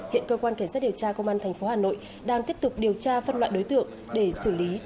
hiện cơ quan cảnh sát điều tra công an thành phố hà nội đang tiếp tục điều tra phân loạn đối tượng để xử lý theo quy định của pháp luật